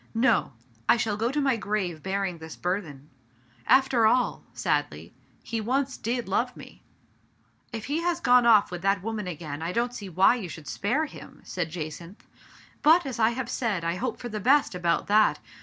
No ! I shall go to my grave bearing this burthen. After all" — sadly —" he once did love me !"" If he has gone ofif with that woman again I don't see why you should spare him," said Ja cynth. " But, as I have said, I hope for the best about that.